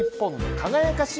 輝かしい